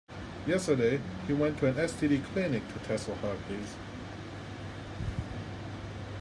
Yesterday, he went to an STD clinic to test for herpes.